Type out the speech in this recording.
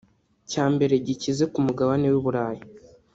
cya mbere gikize ku mugabane w’u Burayi